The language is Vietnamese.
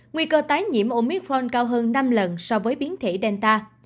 nguy cơ tái nhiễm omitforn cao hơn năm lần so với biến thể delta